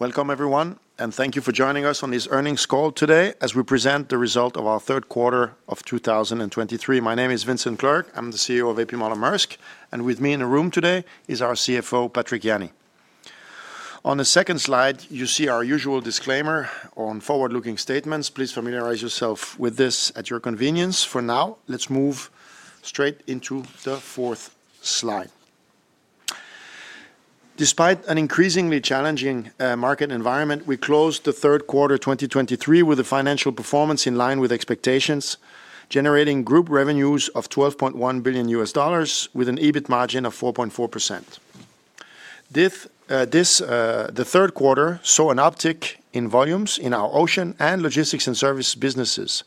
Welcome everyone, and thank you for joining us on this earnings call today as we present the result of our third quarter of 2023. My name is Vincent Clerc. I'm the CEO of A.P. Moller - Maersk, and with me in the room today is our CFO, Patrick Jany. On the second slide, you see our usual disclaimer on forward-looking statements. Please familiarize yourself with this at your convenience. For now, let's move straight into the fourth slide. Despite an increasingly challenging market environment, we closed the third quarter 2023 with a financial performance in line with expectations, generating group revenues of $12.1 billion with an EBIT margin of 4.4%. This, the third quarter saw an uptick in volumes in our ocean and logistics and service businesses.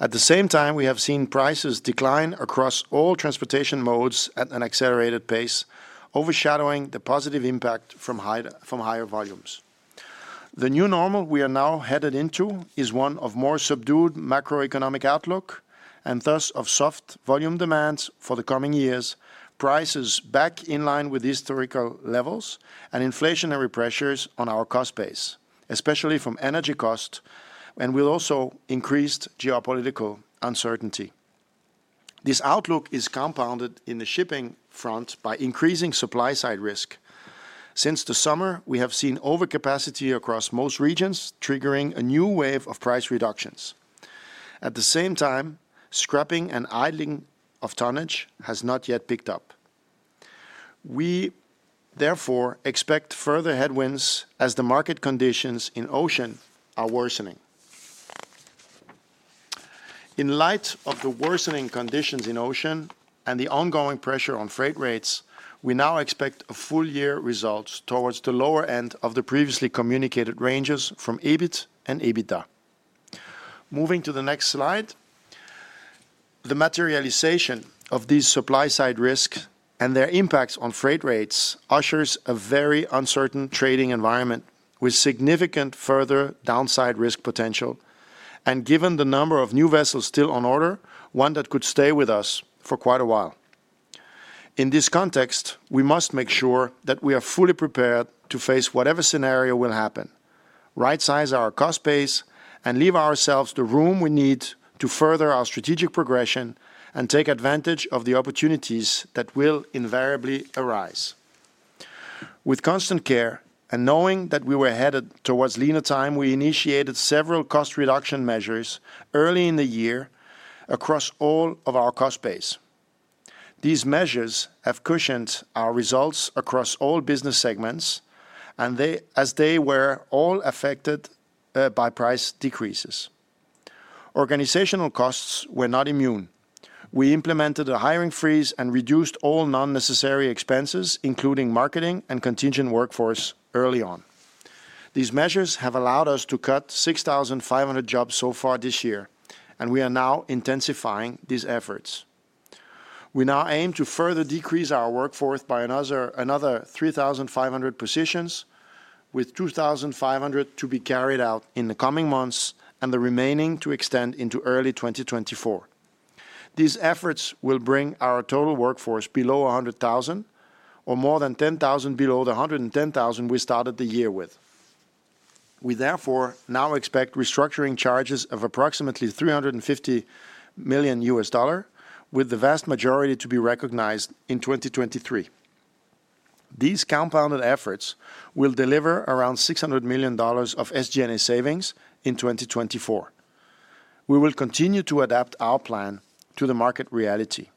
At the same time, we have seen prices decline across all transportation modes at an accelerated pace, overshadowing the positive impact from higher volumes. The new normal we are now headed into is one of more subdued macroeconomic outlook, and thus of soft volume demands for the coming years, prices back in line with historical levels and inflationary pressures on our cost base, especially from energy cost, and with also increased geopolitical uncertainty. This outlook is compounded in the shipping front by increasing supply side risk. Since the summer, we have seen overcapacity across most regions, triggering a new wave of price reductions. At the same time, scrapping and idling of tonnage has not yet picked up. We therefore expect further headwinds as the market conditions in ocean are worsening. In light of the worsening conditions in ocean and the ongoing pressure on freight rates, we now expect full-year results towards the lower end of the previously communicated ranges for EBIT and EBITDA. Moving to the next slide, the materialization of these supply-side risks and their impacts on freight rates ushers a very uncertain trading environment with significant further downside risk potential, and given the number of new vessels still on order, one that could stay with us for quite a while. In this context, we must make sure that we are fully prepared to face whatever scenario will happen, right-size our cost base, and leave ourselves the room we need to further our strategic progression and take advantage of the opportunities that will invariably arise. With constant care and knowing that we were headed towards leaner time, we initiated several cost reduction measures early in the year across all of our cost base. These measures have cushioned our results across all business segments, and they, as they were all affected, by price decreases. Organizational costs were not immune. We implemented a hiring freeze and reduced all non-necessary expenses, including marketing and contingent workforce early on. These measures have allowed us to cut 6,500 jobs so far this year, and we are now intensifying these efforts. We now aim to further decrease our workforce by another three thousand five hundred positions, with 2,500 to be carried out in the coming months and the remaining to extend into early 2024. These efforts will bring our total workforce below 100,000 or more than 10,000 below the 110,000 we started the year with. We therefore now expect restructuring charges of approximately $350 million, with the vast majority to be recognized in 2023. These compounded efforts will deliver around $600 million of SG&A savings in 2024. We will continue to adapt our plan to the market reality.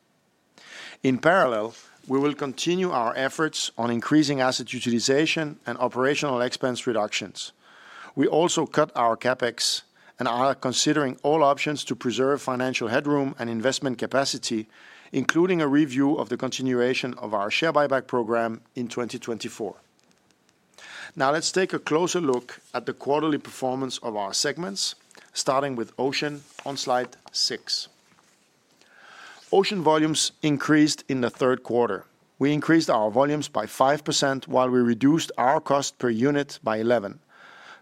In parallel, we will continue our efforts on increasing asset utilization and operational expense reductions. We also cut our CapEx and are considering all options to preserve financial headroom and investment capacity, including a review of the continuation of our share buyback program in 2024. Now, let's take a closer look at the quarterly performance of our segments, starting with ocean on slide 6. Ocean volumes increased in the third quarter. We increased our volumes by 5%, while we reduced our cost per unit by 11,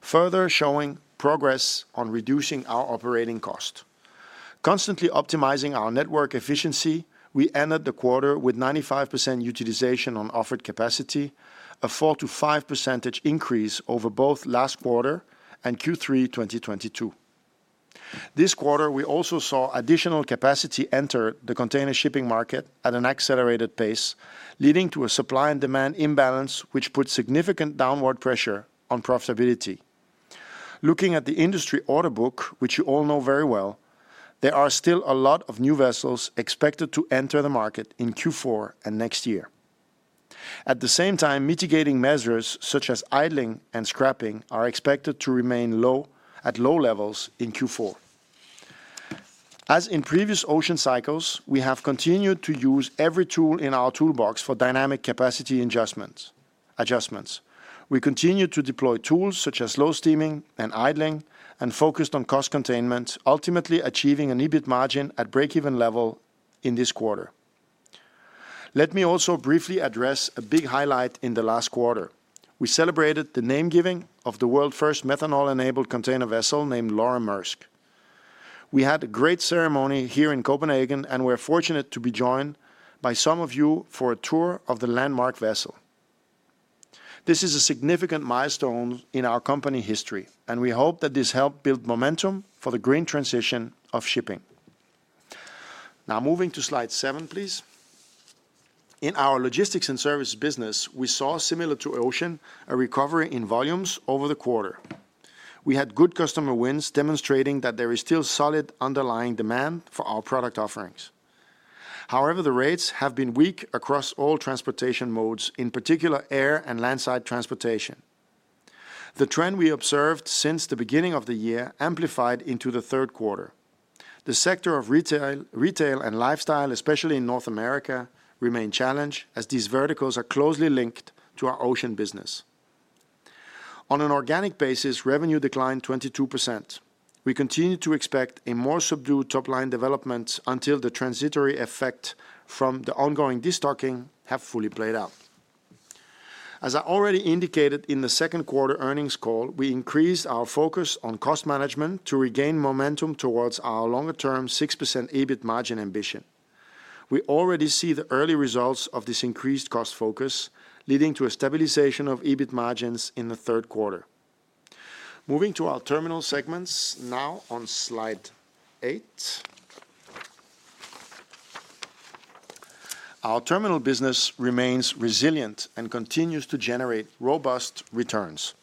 further showing progress on reducing our operating cost. Constantly optimizing our network efficiency, we ended the quarter with 95% utilization on offered capacity, a 4%-5% increase over both last quarter and Q3 2022. This quarter, we also saw additional capacity enter the container shipping market at an accelerated pace, leading to a supply and demand imbalance, which put significant downward pressure on profitability. Looking at the industry order book, which you all know very well, there are still a lot of new vessels expected to enter the market in Q4 and next year. At the same time, mitigating measures such as idling and scrapping are expected to remain low, at low levels in Q4. As in previous ocean cycles, we have continued to use every tool in our toolbox for dynamic capacity adjustments. We continued to deploy tools such as low steaming and idling, and focused on cost containment, ultimately achieving an EBIT margin at breakeven level in this quarter. Let me also briefly address a big highlight in the last quarter. We celebrated the name-giving of the world's first methanol-enabled container vessel named Laura Maersk. We had a great ceremony here in Copenhagen, and we're fortunate to be joined by some of you for a tour of the landmark vessel. This is a significant milestone in our company history, and we hope that this help build momentum for the green transition of shipping. Now, moving to slide seven, please. In our logistics and service business, we saw, similar to Ocean, a recovery in volumes over the quarter. We had good customer wins, demonstrating that there is still solid underlying demand for our product offerings. However, the rates have been weak across all transportation modes, in particular, air and landside transportation. The trend we observed since the beginning of the year amplified into the third quarter. The sector of retail, retail and lifestyle, especially in North America, remain challenged, as these verticals are closely linked to our Ocean business. On an organic basis, revenue declined 22%. We continue to expect a more subdued top line development until the transitory effect from the ongoing destocking have fully played out. As I already indicated in the second quarter earnings call, we increased our focus on cost management to regain momentum towards our longer-term 6% EBIT margin ambition. We already see the early results of this increased cost focus, leading to a stabilization of EBIT margins in the third quarter. Moving to our terminal segments now on slide 8. Our terminal business remains resilient and continues to generate robust returns.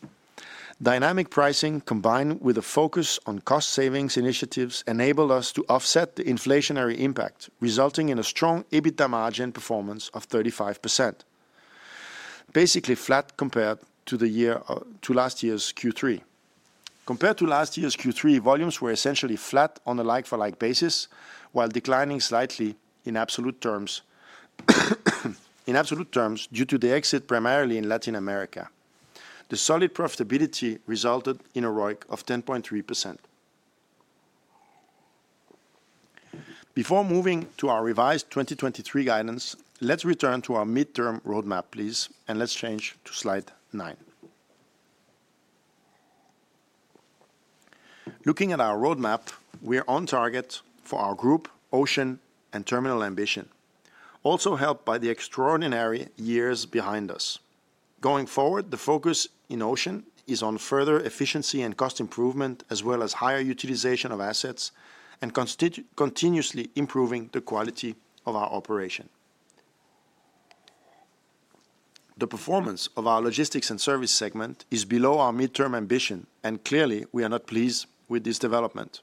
Dynamic pricing, combined with a focus on cost savings initiatives, enabled us to offset the inflationary impact, resulting in a strong EBITDA margin performance of 35%, basically flat compared to the year, to last year's Q3. Compared to last year's Q3, volumes were essentially flat on a like-for-like basis, while declining slightly in absolute terms, due to the exit, primarily in Latin America. The solid profitability resulted in a ROIC of 10.3%. Before moving to our revised 2023 guidance, let's return to our midterm roadmap, please, and let's change to slide 9. Looking at our roadmap, we are on target for our group, Ocean and Terminals ambition, also helped by the extraordinary years behind us. Going forward, the focus in Ocean is on further efficiency and cost improvement, as well as higher utilization of assets and continuously improving the quality of our operation. The performance of our Logistics & Services segment is below our midterm ambition, and clearly, we are not pleased with this development.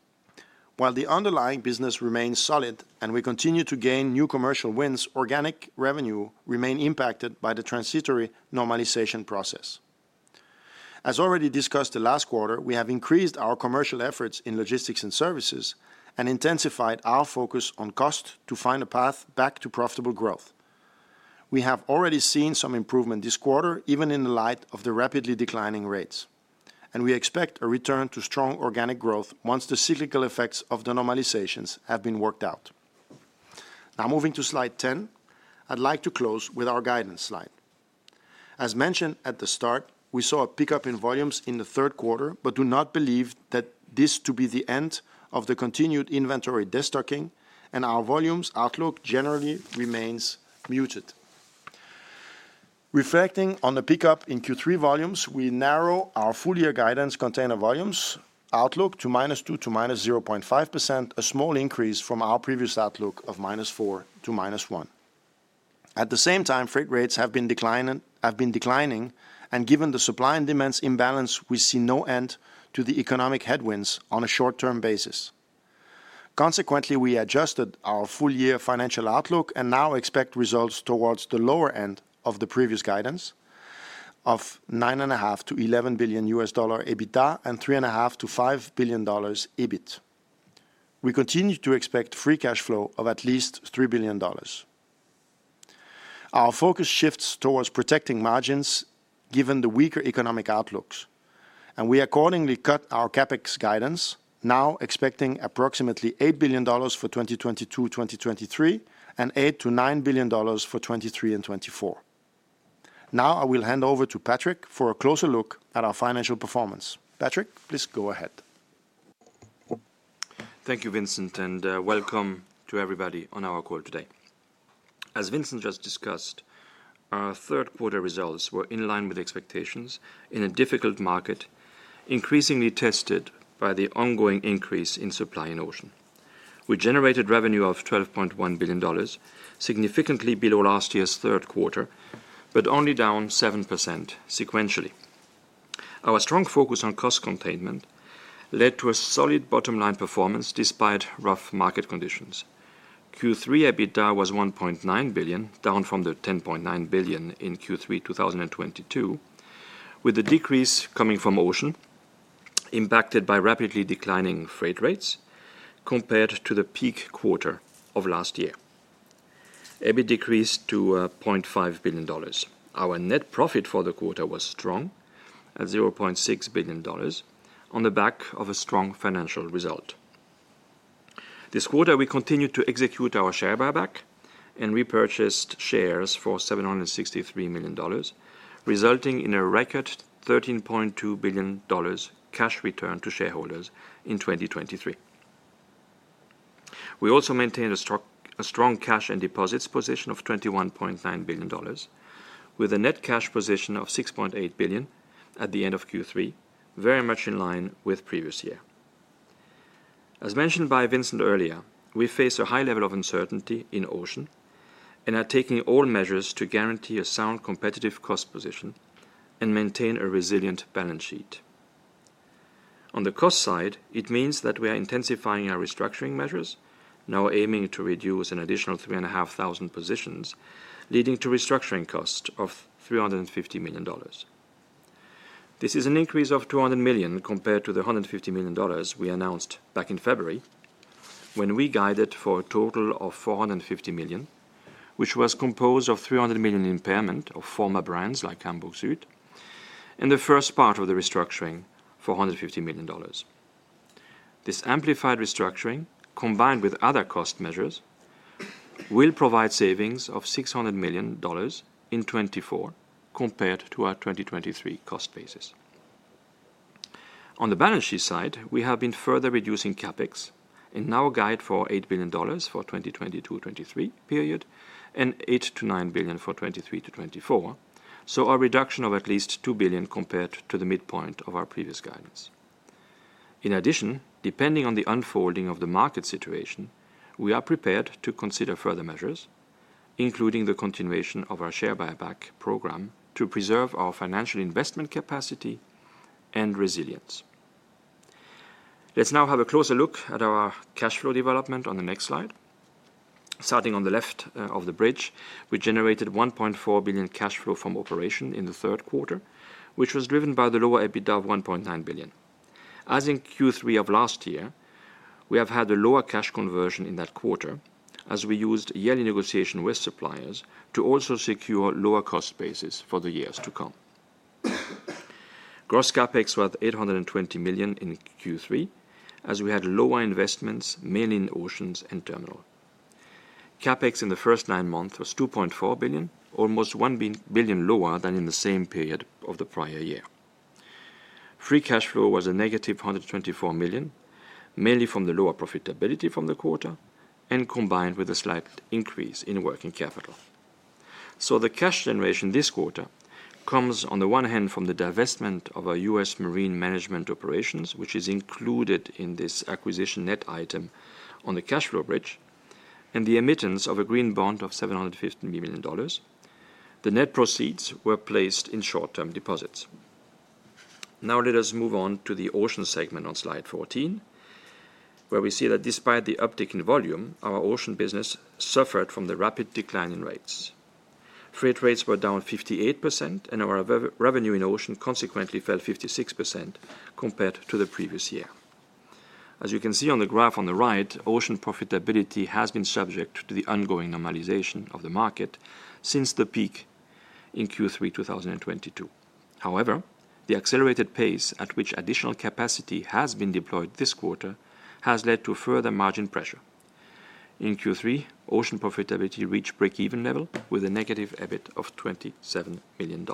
While the underlying business remains solid and we continue to gain new commercial wins, organic revenue remain impacted by the transitory normalization process. As already discussed the last quarter, we have increased our commercial efforts in logistics and services and intensified our focus on cost to find a path back to profitable growth. We have already seen some improvement this quarter, even in the light of the rapidly declining rates, and we expect a return to strong organic growth once the cyclical effects of the normalizations have been worked out. Now, moving to slide 10, I'd like to close with our guidance slide. As mentioned at the start, we saw a pickup in volumes in the third quarter, but do not believe that this to be the end of the continued inventory destocking, and our volumes outlook generally remains muted. Reflecting on the pickup in Q3 volumes, we narrow our full-year guidance container volumes outlook to -2%-0.5%, a small increase from our previous outlook of -4%-1%. At the same time, freight rates have been declining, have been declining, and given the supply and demand imbalance, we see no end to the economic headwinds on a short-term basis. Consequently, we adjusted our full-year financial outlook and now expect results towards the lower end of the previous guidance of $9.5 billion-$11 billion EBITDA and $3.5 billion-$5 billion EBIT. We continue to expect free cash flow of at least $3 billion. Our focus shifts towards protecting margins, given the weaker economic outlooks, and we accordingly cut our CapEx guidance, now expecting approximately $8 billion for 2022, 2023, and $8 billion-$9 billion for 2023 and 2024. Now I will hand over to Patrick for a closer look at our financial performance. Patrick, please go ahead. Thank you, Vincent, and welcome to everybody on our call today. As Vincent just discussed, our third quarter results were in line with expectations in a difficult market, increasingly tested by the ongoing increase in supply in Ocean. We generated revenue of $12.1 billion, significantly below last year's third quarter, but only down 7% sequentially. Our strong focus on cost containment led to a solid bottom line performance, despite rough market conditions. Q3 EBITDA was $1.9 billion, down from the $10.9 billion in Q3 2022, with the decrease coming from Ocean, impacted by rapidly declining freight rates compared to the peak quarter of last year. EBIT decreased to $0.5 billion. Our net profit for the quarter was strong, at $0.6 billion, on the back of a strong financial result. This quarter, we continued to execute our share buyback and repurchased shares for $763 million, resulting in a record $13.2 billion cash return to shareholders in 2023. We also maintained a strong cash and deposits position of $21.9 billion, with a net cash position of $6.8 billion at the end of Q3, very much in line with previous year. As mentioned by Vincent earlier, we face a high level of uncertainty in ocean, and are taking all measures to guarantee a sound, competitive cost position and maintain a resilient balance sheet. On the cost side, it means that we are intensifying our restructuring measures, now aiming to reduce an additional 3,500 positions, leading to restructuring costs of $350 million. This is an increase of $200 million compared to the $150 million we announced back in February, when we guided for a total of $450 million, which was composed of $300 million impairment of former brands like Hamburg Süd, and the first part of the restructuring, $450 million. This amplified restructuring, combined with other cost measures, will provide savings of $600 million in 2024, compared to our 2023 cost basis. On the balance sheet side, we have been further reducing CapEx and now guide for $8 billion for 2022-2023 period, and $8-$9 billion for 2023-2024, so a reduction of at least $2 billion compared to the midpoint of our previous guidance. In addition, depending on the unfolding of the market situation, we are prepared to consider further measures, including the continuation of our share buyback program, to preserve our financial investment capacity and resilience. Let's now have a closer look at our cash flow development on the next slide. Starting on the left of the bridge, we generated $1.4 billion cash flow from operations in the third quarter, which was driven by the lower EBITDA of $1.9 billion. As in Q3 of last year, we have had a lower cash conversion in that quarter, as we used yearly negotiation with suppliers to also secure lower cost basis for the years to come. Gross CapEx was $820 million in Q3, as we had lower investments, mainly in Oceans and Terminals. CapEx in the first nine months was $2.4 billion, almost $1 billion lower than in the same period of the prior year. Free cash flow was negative $124 million, mainly from the lower profitability from the quarter and combined with a slight increase in working capital. So the cash generation this quarter comes, on the one hand, from the divestment of our U.S. Marine management operations, which is included in this acquisition net item on the cash flow bridge, and the issuance of a green bond of $750 million. The net proceeds were placed in short-term deposits. Now let us move on to the ocean segment on slide 14, where we see that despite the uptick in volume, our ocean business suffered from the rapid decline in rates. Freight rates were down 58%, and our revenue in ocean consequently fell 56% compared to the previous year. As you can see on the graph on the right, ocean profitability has been subject to the ongoing normalization of the market since the peak in Q3 2022. However, the accelerated pace at which additional capacity has been deployed this quarter has led to further margin pressure. In Q3, ocean profitability reached break-even level with a negative EBIT of $27 million.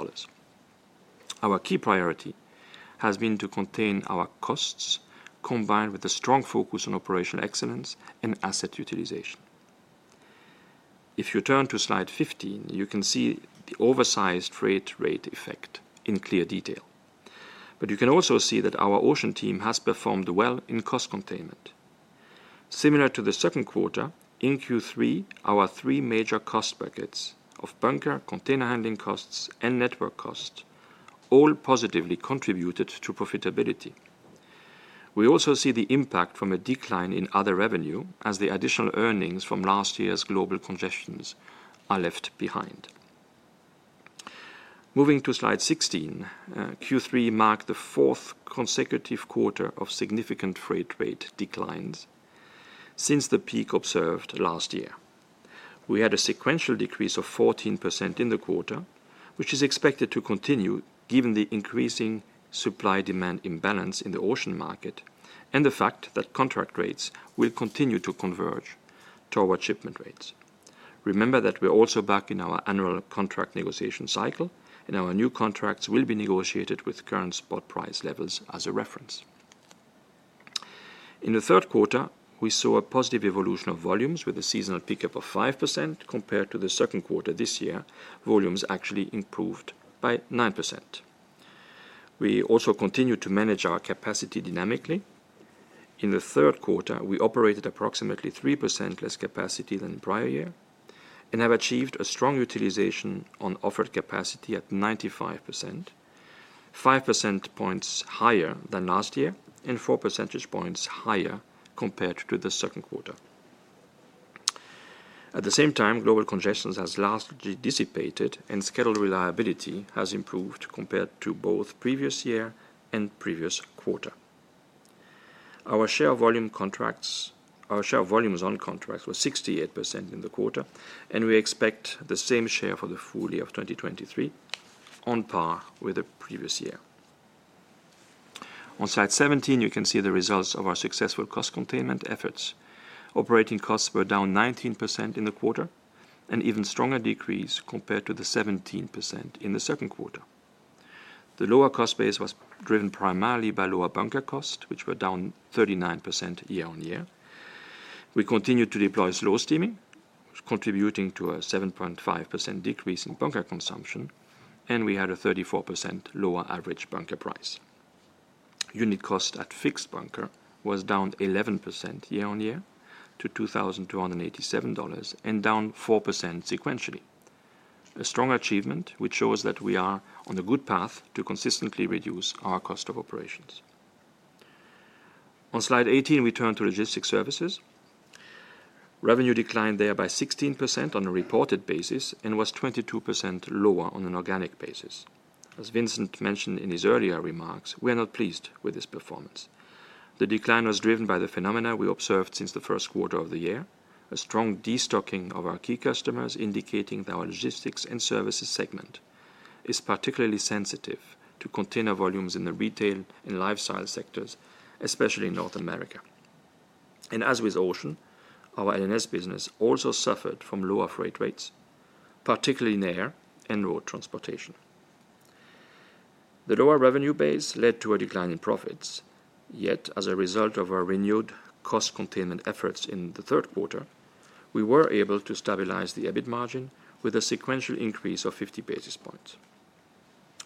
Our key priority has been to contain our costs, combined with a strong focus on operational excellence and asset utilization. If you turn to slide 15, you can see the oversized freight rate effect in clear detail, but you can also see that our ocean team has performed well in cost containment. Similar to the second quarter, in Q3, our three major cost buckets of bunker, container handling costs, and network costs all positively contributed to profitability. We also see the impact from a decline in other revenue as the additional earnings from last year's global congestions are left behind. Moving to slide 16, Q3 marked the fourth consecutive quarter of significant freight rate declines since the peak observed last year. We had a sequential decrease of 14% in the quarter, which is expected to continue given the increasing supply-demand imbalance in the ocean market and the fact that contract rates will continue to converge toward shipment rates. Remember that we're also back in our annual contract negotiation cycle, and our new contracts will be negotiated with current spot price levels as a reference. In the third quarter, we saw a positive evolution of volumes with a seasonal pickup of 5% compared to the second quarter this year, volumes actually improved by 9%. We also continued to manage our capacity dynamically. In the third quarter, we operated approximately 3% less capacity than the prior year and have achieved a strong utilization on offered capacity at 95%, 5 percentage points higher than last year, and 4 percentage points higher compared to the second quarter. At the same time, global congestion has largely dissipated, and schedule reliability has improved compared to both previous year and previous quarter. Our share volumes on contracts were 68% in the quarter, and we expect the same share for the full year of 2023, on par with the previous year. On slide 17, you can see the results of our successful cost containment efforts. Operating costs were down 19% in the quarter, an even stronger decrease compared to the 17% in the second quarter. The lower cost base was driven primarily by lower bunker costs, which were down 39% year-on-year. We continued to deploy slow steaming, contributing to a 7.5% decrease in bunker consumption, and we had a 34% lower average bunker price. Unit cost at fixed bunker was down 11% year-on-year to $2,287, and down 4% sequentially. A strong achievement, which shows that we are on a good path to consistently reduce our cost of operations. On slide 18, we turn to logistics services. Revenue declined there by 16% on a reported basis and was 22% lower on an organic basis. As Vincent mentioned in his earlier remarks, we are not pleased with this performance. The decline was driven by the phenomena we observed since the first quarter of the year. A strong destocking of our key customers, indicating that our logistics and services segment is particularly sensitive to container volumes in the retail and lifestyle sectors, especially in North America. As with Ocean, our L&S business also suffered from lower freight rates, particularly in air and road transportation. The lower revenue base led to a decline in profits, yet as a result of our renewed cost containment efforts in the third quarter, we were able to stabilize the EBIT margin with a sequential increase of 50 basis points.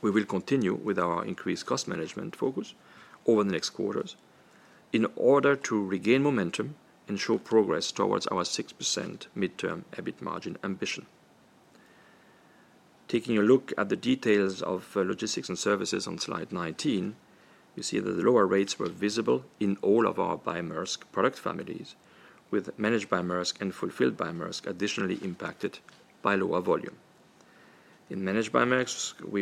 We will continue with our increased cost management focus over the next quarters in order to regain momentum and show progress towards our 6% midterm EBIT margin ambition. Taking a look at the details of logistics and services on slide 19, you see that the lower rates were visible in all of our by Maersk product families, with Managed by Maersk and Fulfilled by Maersk additionally impacted by lower volume. In Managed by Maersk, we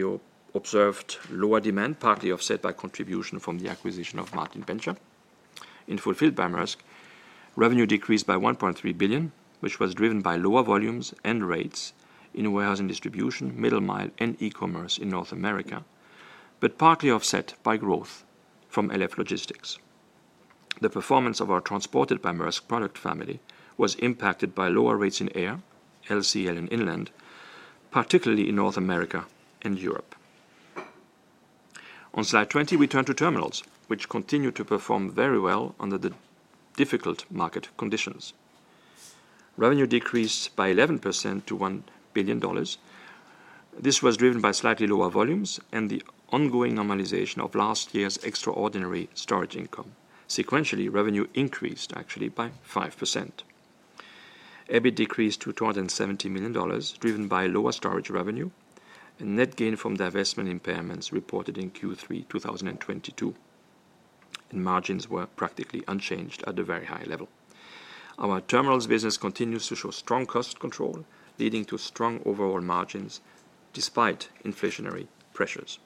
observed lower demand, partly offset by contribution from the acquisition of Martin Bencher. In Fulfilled by Maersk, revenue decreased by $1.3 billion, which was driven by lower volumes and rates in warehousing, distribution, middle mile and e-commerce in North America, but partly offset by growth from LF Logistics. The performance of our Transported by Maersk product family was impacted by lower rates in air, LCL and inland, particularly in North America and Europe. On slide 20, we turn to Terminals, which continued to perform very well under the difficult market conditions. Revenue decreased by 11% to $1 billion. This was driven by slightly lower volumes and the ongoing normalization of last year's extraordinary storage income. Sequentially, revenue increased actually by 5%. EBIT decreased to $270 million, driven by lower storage revenue and net gain from the investment impairments reported in Q3, 2022, and margins were practically unchanged at a very high level. Our terminals business continues to show strong cost control, leading to strong overall margins despite inflationary pressures.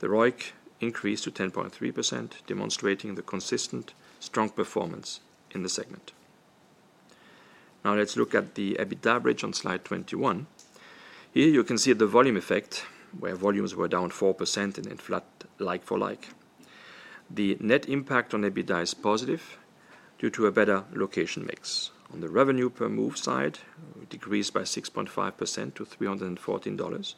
The ROIC increased to 10.3%, demonstrating the consistent strong performance in the segment. Now let's look at the EBITDA bridge on slide 21. Here you can see the volume effect, where volumes were down 4% and in flat like for like. The net impact on EBITDA is positive due to a better location mix. On the revenue per move side, it decreased by 6.5% to $314.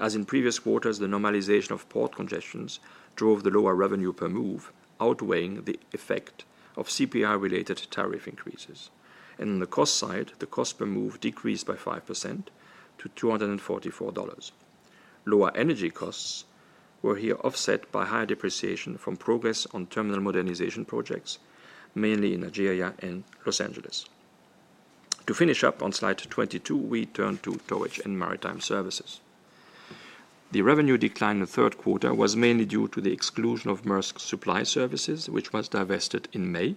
As in previous quarters, the normalization of port congestions drove the lower revenue per move, outweighing the effect of CPI-related tariff increases. On the cost side, the cost per move decreased by 5% to $244. Lower energy costs were here offset by higher depreciation from progress on terminal modernization projects, mainly in Nigeria and Los Angeles. To finish up on slide 22, we turn to Towage and Maritime Services. The revenue decline in the third quarter was mainly due to the exclusion of Maersk Supply Services, which was divested in May.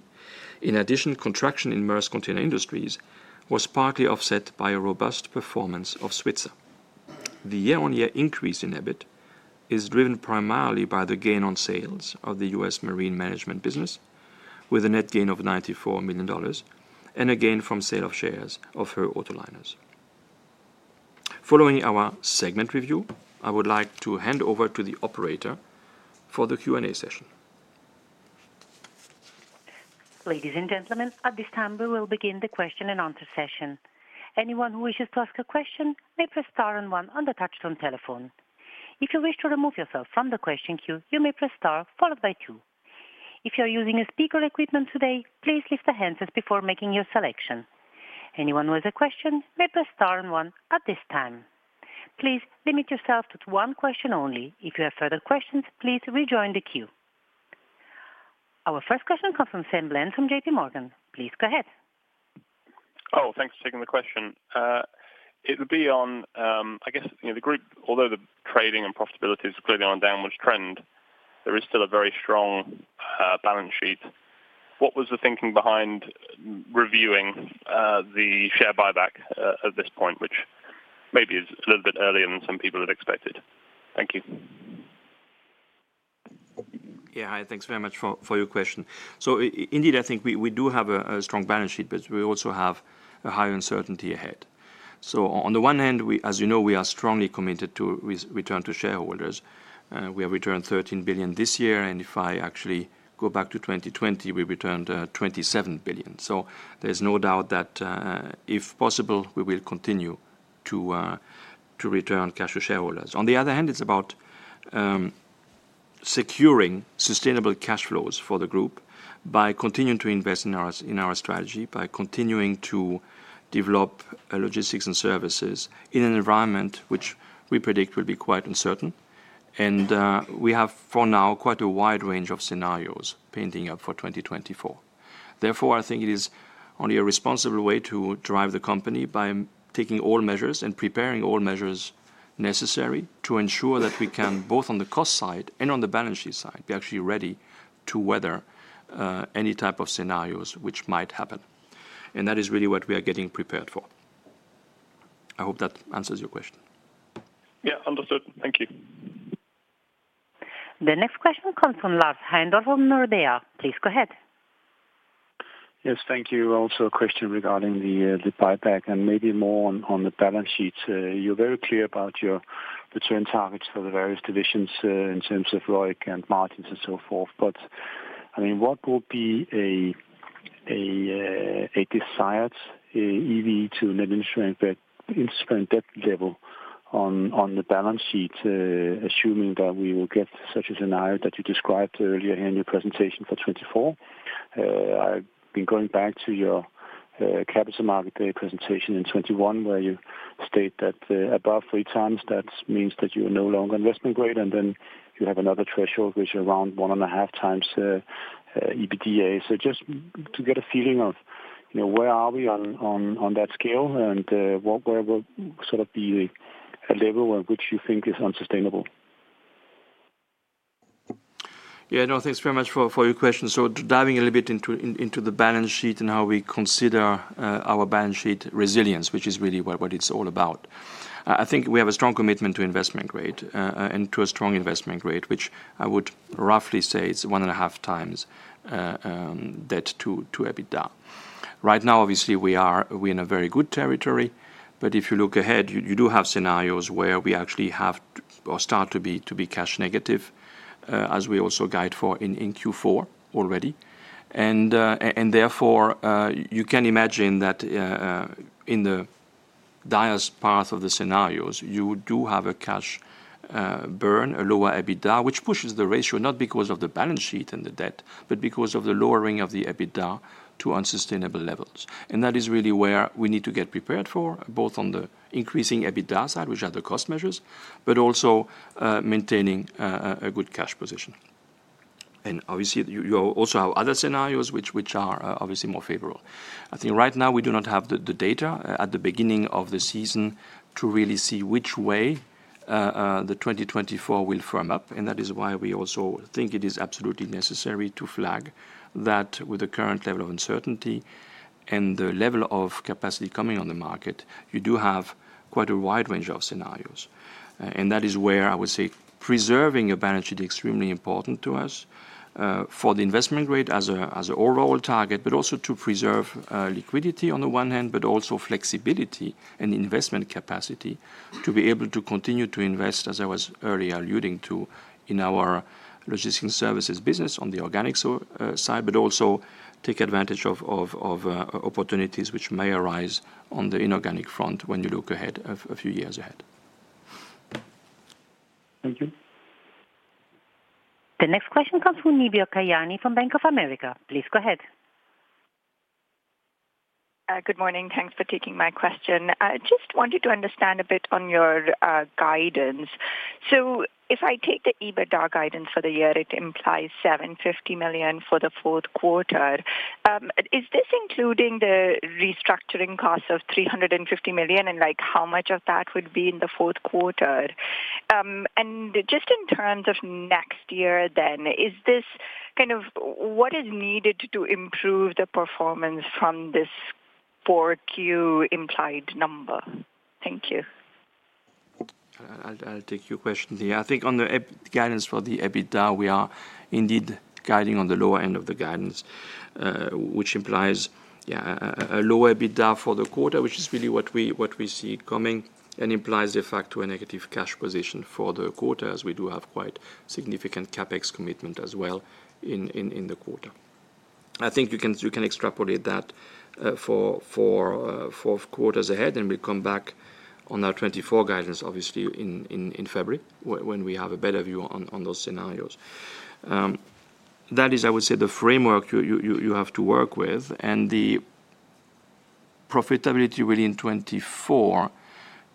In addition, contraction in Maersk Container Industries was partly offset by a robust performance of Svitzer. The year-on-year increase in EBIT is driven primarily by the gain on sales of the U.S. Marine Management business, with a net gain of $94 million and a gain from sale of shares of Hoegh Autoliners. Following our segment review, I would like to hand over to the operator for the Q&A session. Ladies and gentlemen, at this time we will begin the question and answer session. Anyone who wishes to ask a question may press star and one on the touchtone telephone. If you wish to remove yourself from the question queue, you may press star followed by two. If you are using a speaker equipment today, please lift the handset before making your selection. Anyone who has a question, may press star and one at this time. Please limit yourself to one question only. If you have further questions, please rejoin the queue. Our first question comes from Sam Bland from JPMorgan. Please go ahead. Oh, thanks for taking the question. It would be on, I guess, you know, the group, although the trading and profitability is clearly on a downwards trend, there is still a very strong balance sheet. What was the thinking behind reviewing the share buyback at this point, which maybe is a little bit earlier than some people had expected? Thank you. Yeah, hi, thanks very much for your question. So indeed, I think we do have a strong balance sheet, but we also have a higher uncertainty ahead... So on the one hand, as you know, we are strongly committed to return to shareholders. We have returned $13 billion this year, and if I actually go back to 2020, we returned $27 billion. So there's no doubt that if possible, we will continue to return cash to shareholders. On the other hand, it's about securing sustainable cash flows for the group by continuing to invest in our strategy, by continuing to develop logistics and services in an environment which we predict will be quite uncertain. And we have, for now, quite a wide range of scenarios painting up for 2024. Therefore, I think it is only a responsible way to drive the company by taking all measures and preparing all measures necessary to ensure that we can, both on the cost side and on the balance sheet side, be actually ready to weather any type of scenarios which might happen. And that is really what we are getting prepared for. I hope that answers your question. Yeah, understood. Thank you. The next question comes from Lars Heindorff from Nordea. Please go ahead. Yes, thank you. Also, a question regarding the buyback and maybe more on the balance sheet. You're very clear about your return targets for the various divisions in terms of ROIC and margins and so forth. But, I mean, what would be a desired EV to net debt level on the balance sheet, assuming that we will get such a scenario that you described earlier in your presentation for 2024? I've been going back to your capital market presentation in 2021, where you state that above 3x, that means that you are no longer investment grade, and then you have another threshold, which is around 1.5x EBITDA. So just to get a feeling of, you know, where are we on that scale? What will sort of be a level at which you think is unsustainable? Yeah, no, thanks very much for your question. So diving a little bit into the balance sheet and how we consider our balance sheet resilience, which is really what it's all about. I think we have a strong commitment to investment grade and to a strong investment grade, which I would roughly say is 1.5x debt to EBITDA. Right now, obviously, we're in a very good territory, but if you look ahead, you do have scenarios where we actually have to or start to be cash negative, as we also guide for in Q4 already. And therefore, you can imagine that in the direst path of the scenarios, you do have a cash burn, a lower EBITDA, which pushes the ratio, not because of the balance sheet and the debt, but because of the lowering of the EBITDA to unsustainable levels. And that is really where we need to get prepared for, both on the increasing EBITDA side, which are the cost measures, but also maintaining a good cash position. And obviously, you also have other scenarios which are obviously more favorable. I think right now we do not have the data at the beginning of the season to really see which way the 2024 will firm up, and that is why we also think it is absolutely necessary to flag that with the current level of uncertainty and the level of capacity coming on the market, you do have quite a wide range of scenarios. And that is where I would say preserving a balance sheet is extremely important to us, for the investment grade as an overall target, but also to preserve liquidity on the one hand, but also flexibility and investment capacity to be able to continue to invest, as I was earlier alluding to, in our logistics services business on the organic side, but also take advantage of opportunities which may arise on the inorganic front when you look ahead a few years ahead. Thank you. The next question comes from Neeba Kayani from Bank of America. Please go ahead. Good morning. Thanks for taking my question. I just wanted to understand a bit on your guidance. So if I take the EBITDA guidance for the year, it implies $750 million for the fourth quarter. Is this including the restructuring costs of $350 million, and, like, how much of that would be in the fourth quarter? Just in terms of next year then, is this kind of what is needed to improve the performance from this 4Q implied number? Thank you. I'll take your question. Yeah, I think on the EBITDA guidance, we are indeed guiding on the lower end of the guidance, which implies, yeah, a lower EBITDA for the quarter, which is really what we see coming, and implies, in fact, a negative cash position for the quarter, as we do have quite significant CapEx commitment as well in the quarter. I think you can extrapolate that for fourth quarters ahead, and we come back on our 2024 guidance, obviously in February, when we have a better view on those scenarios. That is, I would say, the framework you have to work with, and the profitability within 2024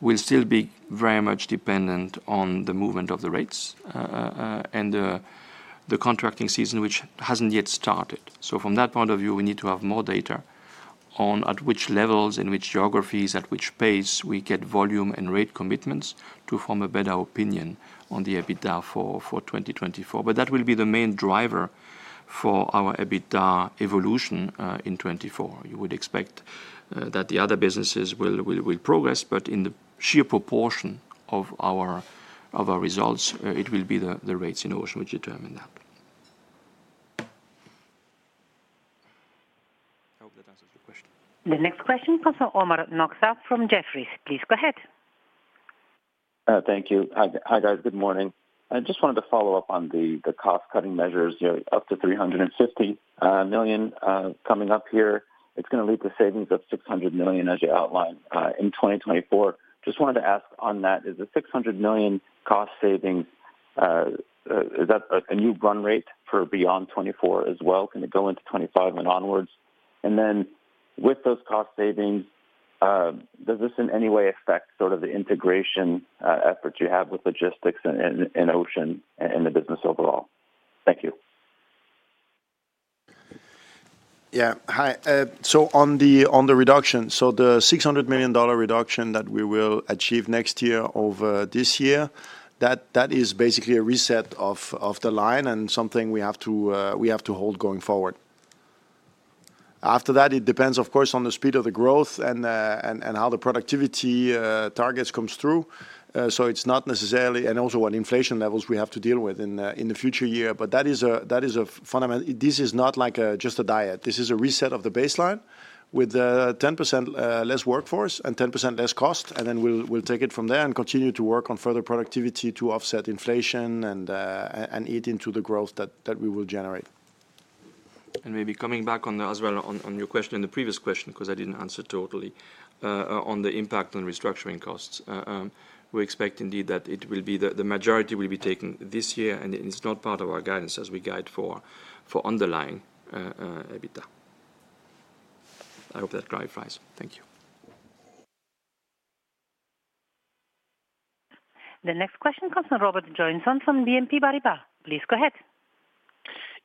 will still be very much dependent on the movement of the rates, and the contracting season, which hasn't yet started. So from that point of view, we need to have more data on at which levels, in which geographies, at which pace we get volume and rate commitments to form a better opinion on the EBITDA for 2024. But that will be the main driver for our EBITDA evolution in 2024. You would expect that the other businesses will progress, but in the sheer proportion of our results, it will be the rates innovation which determine that.... I hope that answers the question. The next question comes from Omar Nokta from Jefferies. Please go ahead. Thank you. Hi, hi, guys. Good morning. I just wanted to follow up on the cost-cutting measures, you know, up to $350 million coming up here. It's gonna lead to savings of $600 million, as you outlined, in 2024. Just wanted to ask on that, is the $600 million cost saving a new run rate for beyond 2024 as well? Can it go into 2025 and onwards? And then with those cost savings, does this in any way affect sort of the integration efforts you have with logistics and Ocean and the business overall? Thank you. Yeah. Hi, so on the reduction, so the $600 million reduction that we will achieve next year over this year, that, that is basically a reset of the line and something we have to hold going forward. After that, it depends, of course, on the speed of the growth and how the productivity targets comes through. So it's not necessarily... And also what inflation levels we have to deal with in the future year. But that is a, that is a fundamen- this is not like just a diet. This is a reset of the baseline with 10% less workforce and 10% less cost, and then we'll take it from there and continue to work on further productivity to offset inflation and eat into the growth that we will generate. And maybe coming back on as well on, on your question, on the previous question, 'cause I didn't answer totally. On the impact on restructuring costs, we expect indeed, that it will be the, the majority will be taken this year, and it's not part of our guidance as we guide for, for underlying, EBITDA. I hope that clarifies. Thank you. The next question comes from Robert Joynson from BNP Paribas. Please go ahead.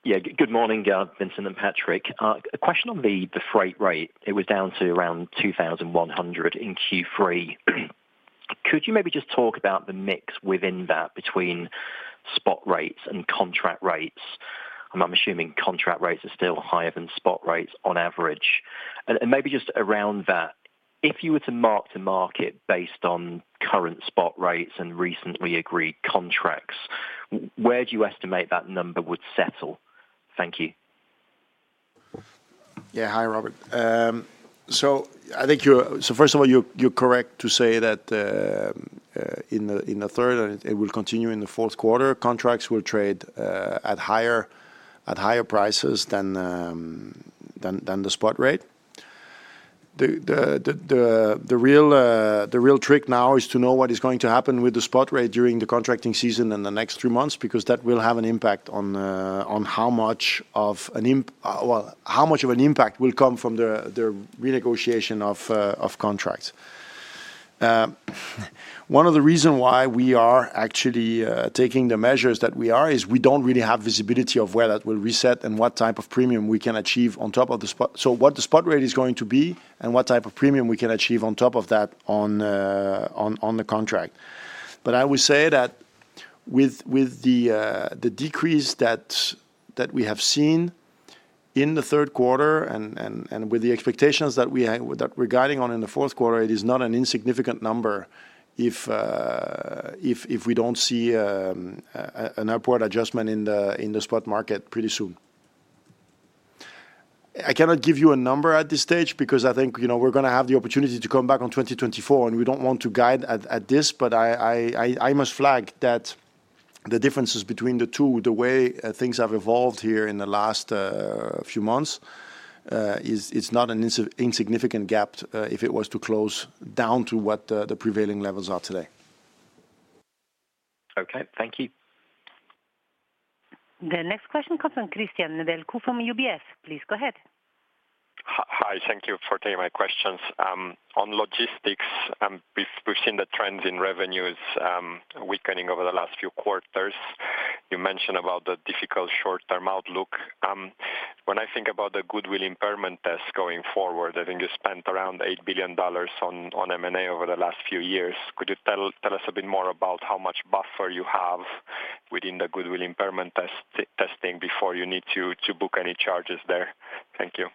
Yeah. Good morning, Vincent and Patrick. A question on the freight rate. It was down to around $2,100 in Q3. Could you maybe just talk about the mix within that, between spot rates and contract rates? I'm assuming contract rates are still higher than spot rates on average. And maybe just around that, if you were to mark the market based on current spot rates and recently agreed contracts, where do you estimate that number would settle? Thank you. Yeah. Hi, Robert. So first of all, you're correct to say that in the third and it will continue in the fourth quarter, contracts will trade at higher prices than the spot rate. The real trick now is to know what is going to happen with the spot rate during the contracting season in the next three months, because that will have an impact on, well, how much of an impact will come from the renegotiation of contracts. One of the reason why we are actually taking the measures that we are, is we don't really have visibility of where that will reset and what type of premium we can achieve on top of the spot. So what the spot rate is going to be, and what type of premium we can achieve on top of that on the contract. But I would say that with the decrease that we have seen in the third quarter and with the expectations that we have—that we're guiding on in the fourth quarter, it is not an insignificant number if we don't see an upward adjustment in the spot market pretty soon. I cannot give you a number at this stage because I think, you know, we're gonna have the opportunity to come back on 2024, and we don't want to guide at this, but I must flag that the differences between the two, the way things have evolved here in the last few months, is... It's not an insignificant gap, if it was to close down to what the prevailing levels are today. Okay, thank you. The next question comes from Cristian Nedelcu from UBS. Please go ahead. Hi. Thank you for taking my questions. On logistics, we've seen the trends in revenues weakening over the last few quarters. You mentioned about the difficult short-term outlook. When I think about the goodwill impairment test going forward, I think you spent around $8 billion on M&A over the last few years. Could you tell us a bit more about how much buffer you have within the goodwill impairment test before you need to book any charges there? Thank you.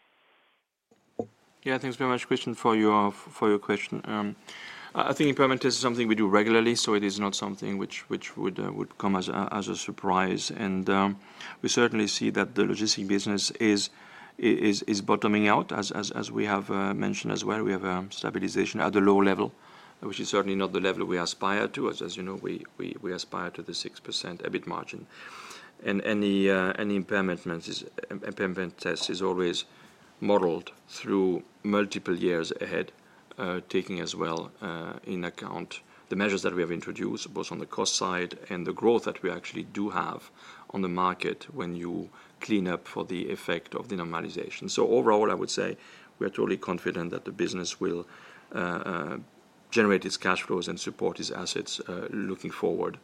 Yeah, thanks very much, Christian, for your question. I think impairment test is something we do regularly, so it is not something which would come as a surprise. And we certainly see that the logistic business is bottoming out as we have mentioned as well. We have stabilization at a lower level, which is certainly not the level we aspire to. As you know, we aspire to the 6% EBIT margin. And any impairment test is always modeled through multiple years ahead, taking as well into account the measures that we have introduced, both on the cost side and the growth that we actually do have on the market when you clean up for the effect of the normalization. So overall, I would say we are totally confident that the business will generate its cash flows and support its assets looking forward,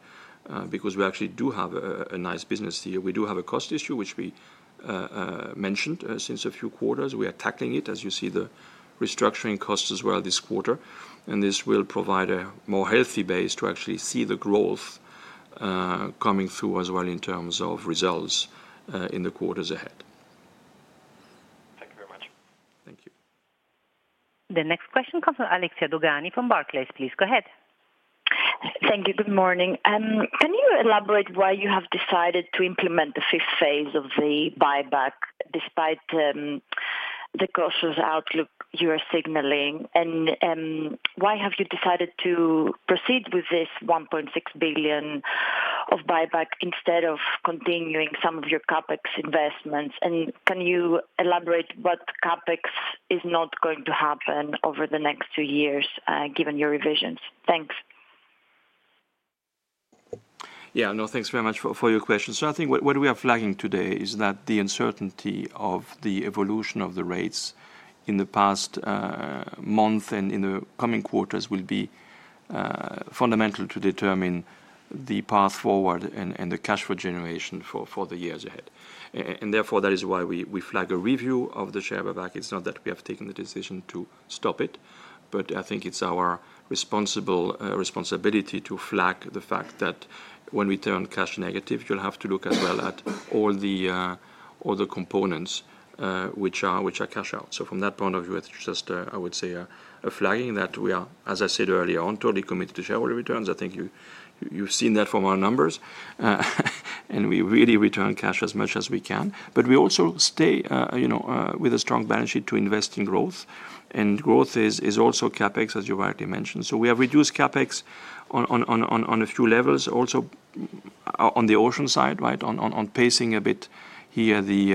because we actually do have a nice business here. We do have a cost issue, which we mentioned since a few quarters. We are tackling it, as you see the restructuring costs as well this quarter, and this will provide a more healthy base to actually see the growth coming through as well in terms of results in the quarters ahead. Thank you very much. Thank you. The next question comes from Alexia Dogani from Barclays. Please go ahead. Thank you. Good morning. Can you elaborate why you have decided to implement the fifth phase of the buyback, despite the cautious outlook you are signaling? And why have you decided to proceed with this $1.6 billion of buyback instead of continuing some of your CapEx investments? And can you elaborate what CapEx is not going to happen over the next two years, given your revisions? Thanks. Yeah. No, thanks very much for your question. So I think what we are flagging today is that the uncertainty of the evolution of the rates in the past month and in the coming quarters will be fundamental to determine the path forward and the cash flow generation for the years ahead. And therefore, that is why we flag a review of the share buyback. It's not that we have taken the decision to stop it, but I think it's our responsible responsibility to flag the fact that when we turn cash negative, you'll have to look as well at all the all the components which are which are cash out. So from that point of view, it's just a flagging that we are, as I said earlier on, totally committed to shareholder returns. I think you've seen that from our numbers. And we really return cash as much as we can. But we also stay, you know, with a strong balance sheet to invest in growth. And growth is also CapEx, as you've already mentioned. So we have reduced CapEx on a few levels, also on the ocean side, right? On pacing a bit here, the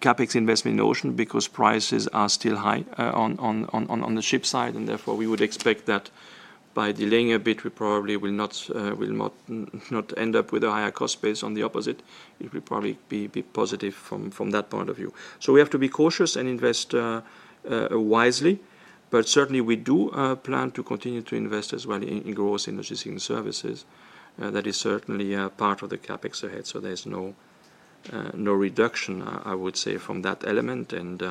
CapEx investment in ocean, because prices are still high, on the ship side, and therefore, we would expect that by delaying a bit, we probably will not end up with a higher cost base. On the opposite, it will probably be positive from that point of view. So we have to be cautious and invest wisely, but certainly we do plan to continue to invest as well in growth in logistics and services. That is certainly a part of the CapEx ahead, so there's no no reduction, I would say, from that element. And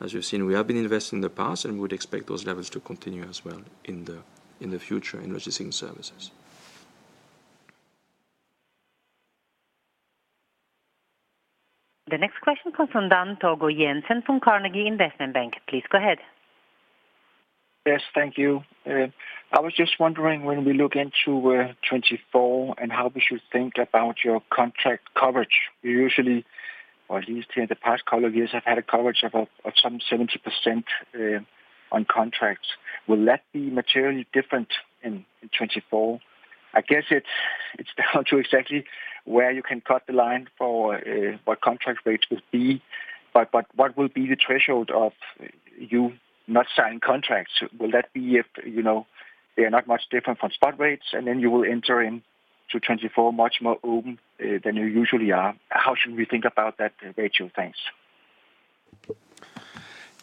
as you've seen, we have been investing in the past, and we'd expect those levels to continue as well in the future in logistics and services. The next question comes from Dan Togo Jensen, from Carnegie Investment Bank. Please go ahead. Yes, thank you. I was just wondering, when we look into 2024, and how we should think about your contract coverage. We usually, or at least in the past couple of years, have had a coverage of some 70% on contracts. Will that be materially different in 2024? I guess it's down to exactly where you can cut the line for what contract rates will be, but what will be the threshold of you not signing contracts? Will that be if, you know, they are not much different from spot rates, and then you will enter into 2024, much more open than you usually are? How should we think about that ratio? Thanks.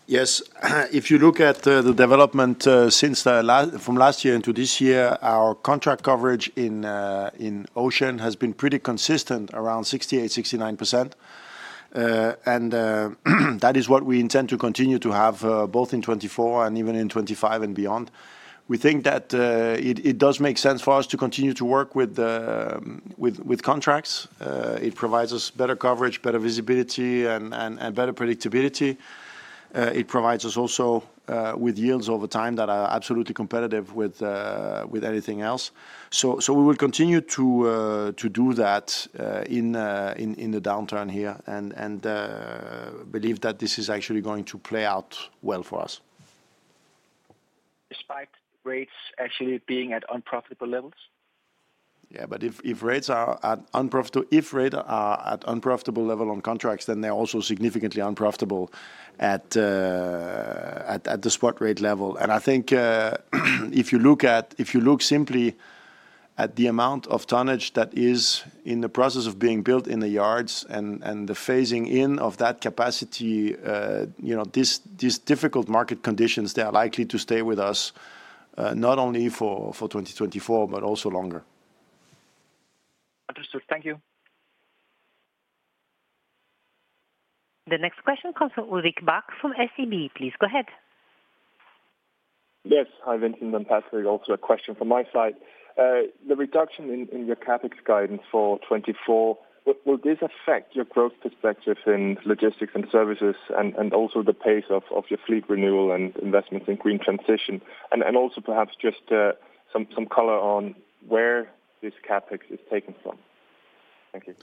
Yes. If you look at the development since last year into this year, our contract coverage in ocean has been pretty consistent, around 68-69%. That is what we intend to continue to have both in 2024 and even in 2025 and beyond. We think that it does make sense for us to continue to work with contracts. It provides us better coverage, better visibility, and better predictability. It provides us also with yields over time that are absolutely competitive with anything else. We will continue to do that in the downturn here and believe that this is actually going to play out well for us. Despite rates actually being at unprofitable levels? Yeah, but if rates are at unprofitable level on contracts, then they're also significantly unprofitable at the spot rate level. And I think if you look simply at the amount of tonnage that is in the process of being built in the yards and the phasing in of that capacity, you know, these difficult market conditions are likely to stay with us, not only for 2024, but also longer. Understood. Thank you. The next question comes from Ulrik Bak, from SEB. Please go ahead. Yes. Hi, Vincent and Patrick, also a question from my side. The reduction in your CapEx guidance for 2024, will this affect your growth perspectives in logistics and services and also the pace of your fleet renewal and investments in green transition? Also perhaps just some color on where this CapEx is taken from. Thank you.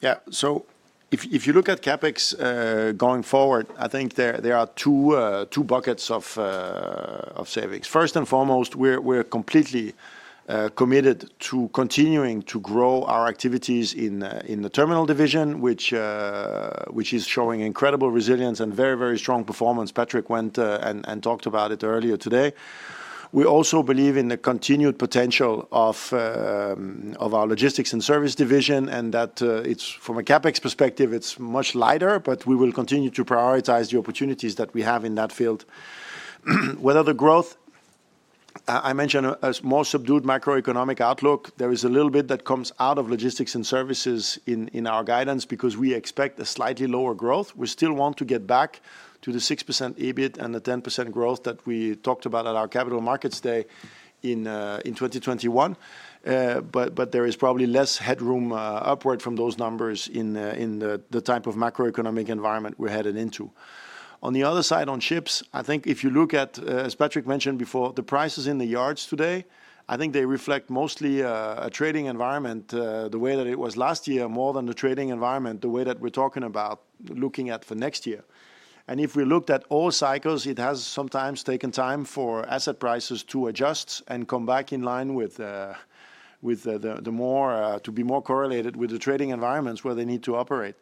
Yeah. So if you look at CapEx going forward, I think there are two buckets of savings. First and foremost, we're completely committed to continuing to grow our activities in the terminal division, which is showing incredible resilience and very, very strong performance. Patrick went and talked about it earlier today. We also believe in the continued potential of our logistics and service division, and that it's from a CapEx perspective, it's much lighter, but we will continue to prioritize the opportunities that we have in that field. Whether the growth... I mentioned a more subdued macroeconomic outlook. There is a little bit that comes out of logistics and services in our guidance, because we expect a slightly lower growth. We still want to get back to the 6% EBIT and the 10% growth that we talked about at our capital markets day in 2021. But there is probably less headroom upward from those numbers in the type of macroeconomic environment we're headed into. On the other side, on ships, I think if you look at, as Patrick mentioned before, the prices in the yards today, I think they reflect mostly a trading environment, the way that it was last year, more than the trading environment, the way that we're talking about looking at for next year. If we looked at all cycles, it has sometimes taken time for asset prices to adjust and come back in line with the more to be more correlated with the trading environments where they need to operate.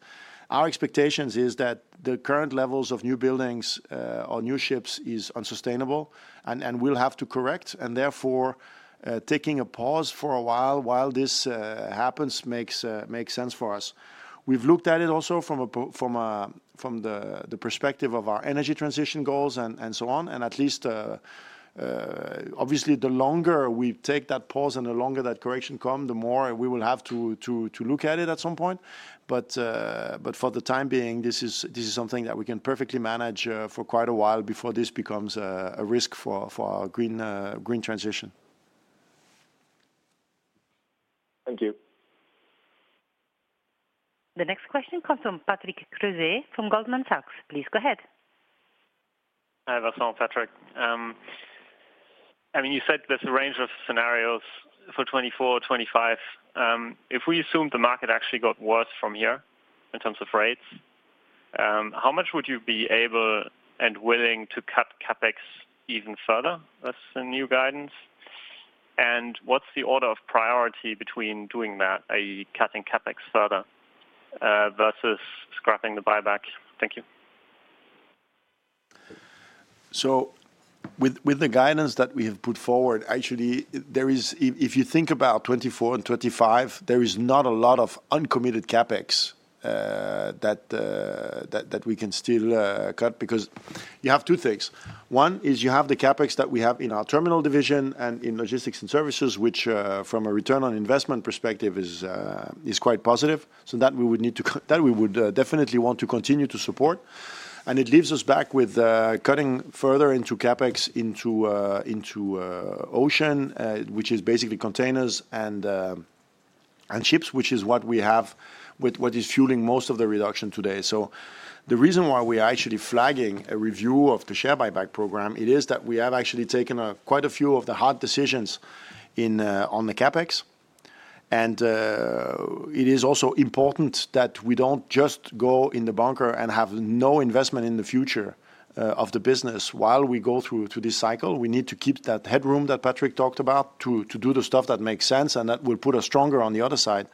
Our expectations is that the current levels of new buildings or new ships is unsustainable and will have to correct, and therefore taking a pause for a while while this happens makes sense for us. We've looked at it also from the perspective of our energy transition goals and so on, and at least obviously the longer we take that pause and the longer that correction come the more we will have to look at it at some point. But for the time being, this is something that we can perfectly manage for quite a while before this becomes a risk for our green transition. Thank you. The next question comes from Patrick Creuset, from Goldman Sachs. Please go ahead. Hi, Vincent, Patrick. I mean, you said there's a range of scenarios for 2024, 2025. If we assume the market actually got worse from here in terms of rates, how much would you be able and willing to cut CapEx even further as the new guidance? And what's the order of priority between doing that, i.e., cutting CapEx further, versus scrapping the buyback? Thank you. So with the guidance that we have put forward, actually, there is—if you think about 2024 and 2025, there is not a lot of uncommitted CapEx that we can still cut, because you have two things. One is you have the CapEx that we have in our Terminals division and in Logistics & Services, which, from a return on investment perspective, is quite positive. So that we would definitely want to continue to support. And it leaves us back with cutting further into CapEx into Ocean, which is basically containers and ships, which is what we have with what is fueling most of the reduction today. So the reason why we are actually flagging a review of the share buyback program, it is that we have actually taken quite a few of the hard decisions in on the CapEx. And it is also important that we don't just go in the bunker and have no investment in the future of the business. While we go through this cycle, we need to keep that headroom that Patrick talked about to do the stuff that makes sense and that will put us stronger on the other side.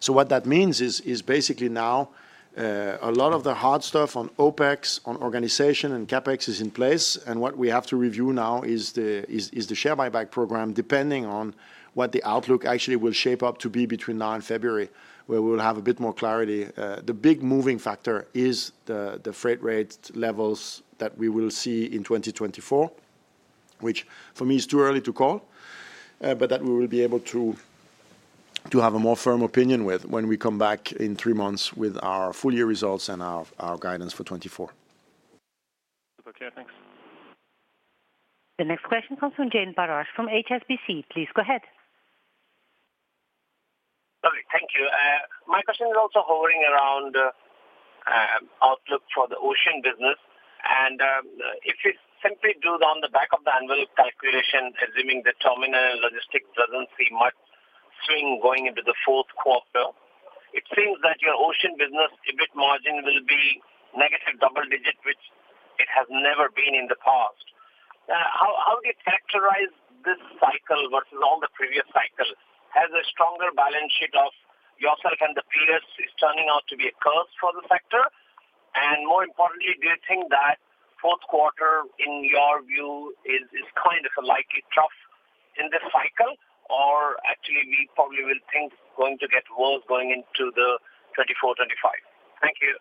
So what that means is basically now a lot of the hard stuff on OpEx, on organization, and CapEx is in place, and what we have to review now is the share buyback program, depending on what the outlook actually will shape up to be between now and February, where we'll have a bit more clarity. The big moving factor is the freight rate levels that we will see in 2024, which for me is too early to call, but that we will be able to have a more firm opinion with when we come back in three months with our full year results and our guidance for 2024. Okay, thanks. The next question comes from Jain Parash from HSBC. Please go again. Sorry, thank you. My question is also hovering around outlook for the Ocean business. If you simply do it on the back-of-the-envelope calculation, assuming the terminal logistics doesn't see much swing going into the fourth quarter, it seems that your Ocean business EBIT margin will be negative double digit, which it has never been in the past. How, how do you characterize this cycle versus all the previous cycles? Has a stronger balance sheet of yourself and the peers is turning out to be a curse for the factor? And more importantly, do you think that fourth quarter, in your view, is kind of a likely trough in this cycle, or actually, we probably will think it's going to get worse going into the 2024, 2025? Thank you.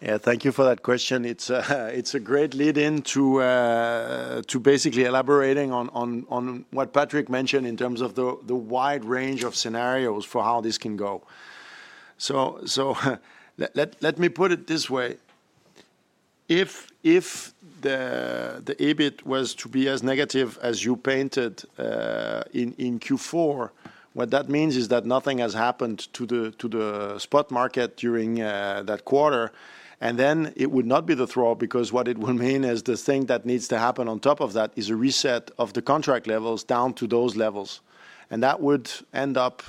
Yeah, thank you for that question. It's a great lead in to basically elaborating on what Patrick mentioned in terms of the wide range of scenarios for how this can go. So, let me put it this way: If the EBIT was to be as negative as you painted in Q4, what that means is that nothing has happened to the spot market during that quarter, and then it would not be the trough, because what it would mean is the thing that needs to happen on top of that is a reset of the contract levels down to those levels. And that would end up